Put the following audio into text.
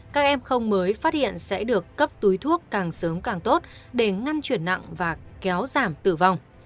các em không mới phát hiện sẽ được cấp túi thuốc càng sớm càng tốt để ngăn chuyển nặng và kéo giảm tử vong